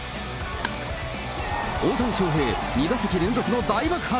大谷翔平、２打席連続の大爆発。